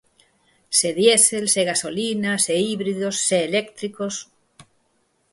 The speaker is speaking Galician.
Se diésel, se gasolina, se híbridos, se eléctricos.